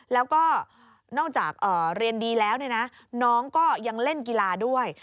แล้วก็นอกจากเรียนดีแล้วน้องก็ยังเล่นกีฬาด้วย